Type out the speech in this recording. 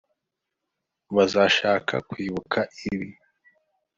bazashaka kwibuka ibi